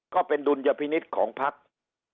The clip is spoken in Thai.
ก็เป็นดุลยภินิษฐ์ของภักดิ์